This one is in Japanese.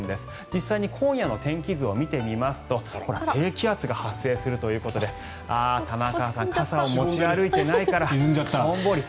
実際に今夜の天気図を見てみますと低気圧が発生するということで玉川さん、傘を持って歩いていないからしょんぼり。